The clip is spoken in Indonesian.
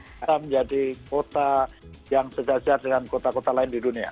kita bisa menjadi kota yang sejajar dengan kota kota lain